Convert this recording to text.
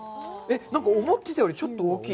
なんか思ってたよりちょっと大きい。